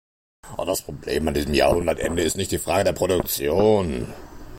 Das Problem an diesem Jahrhundertende ist nicht die Frage der Produktion.